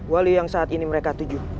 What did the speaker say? wali yang saat ini mereka tuju